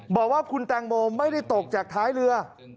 บอกว่าคุณแตงโมไม่ได้ตกจากท้ายเรือ